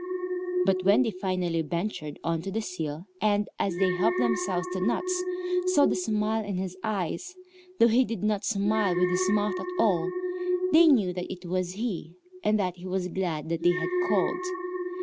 But when they finally ventured on to the sill and, as they helped themselves to nuts, saw the smile in his eyes, though he did not smile with his mouth at all, they knew that it was he, and that he was glad that they had called.